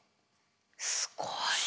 すごい。